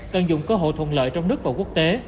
tận dụng cơ hội thuận lợi trong nước và quốc tế